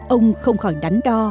ông không khỏi đánh đo